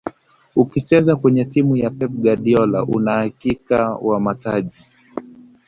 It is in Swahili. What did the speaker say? ukicheza kwenye timu ya pep guardiola una uhakika wa mataji